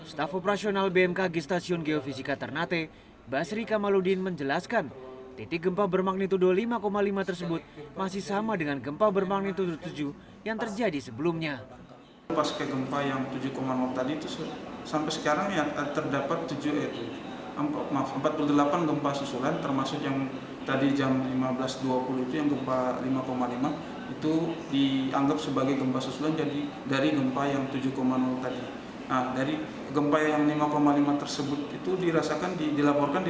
staff operasional bmkg stasiun geofisika ternate basri kamaludin menjelaskan titik gempa bermagnitudo lima lima tersebut masih sama dengan gempa bermagnitudo tujuh yang terjadi di ternate provinsi maluku utara